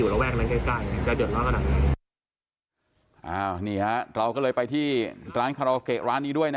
เริ่มจาก๑ทุ่มเป็นต้นปลายเรามานั่งดูได้